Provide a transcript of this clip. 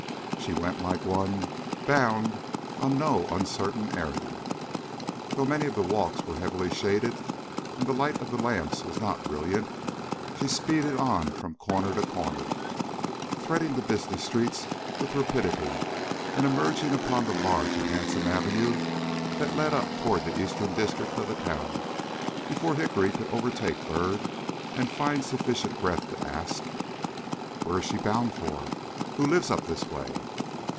She went like one bound on no uncertain errand. Though many of the walks were heavily shaded, and the light of the lamps was not brilliant, she speeded on from corner to corner, threading the business streets with rapidity, and emerging upon the large and handsome avenue that led up toward the eastern district of the town before Hickory could overtake Byrd, and find sufficient breath to ask: "Where is she bound for? Who lives up this way?"